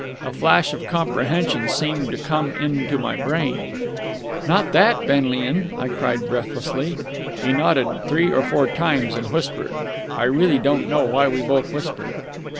A flash of comprehension seemed to come into my brain. "Not that, Benlian?" I cried breathlessly. He nodded three or four times, and whispered. I really don't know why we both whispered.